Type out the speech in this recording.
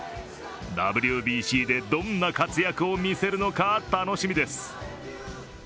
ＷＢＣでどんな活躍を見せるのか楽しみです。